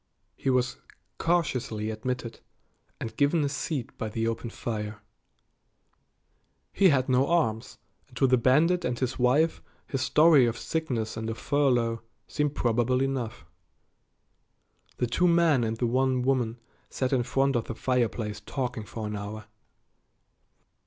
He was cautiously admitted and given a seat by the open fire. He had no arms, and to the bandit and his wife his story of sickness and a furlough seemed probable enough. The two men and the one woman sat in front of the fireplace talking for an hour.